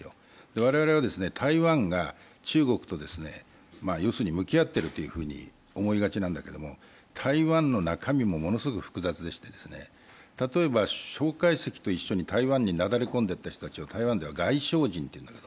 我々は台湾が中国と向き合っていると思いがちなんだけども、台湾の中身もものすごく複雑でして例えば蒋介石と一緒に台湾に流れ込んでいった人たちを台湾では外省人というんです。